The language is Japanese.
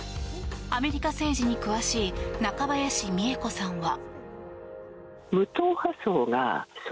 アメリカ政治に詳しい中林美恵子さんは。